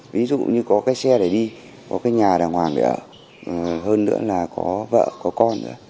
ví dụ như có cái xe để đi có cái nhà đàng hoàng để ở hơn nữa là có vợ có con